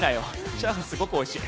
チャーハン、すごくおいしい。